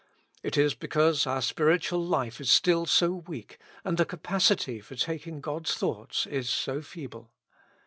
It is because our spiritual life is still so weak, and the capacity for taking God's thoughts is so feeble.